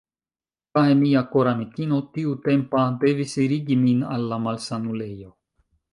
Kaj mia koramikino tiutempa devis irigi min al la malsanulejo.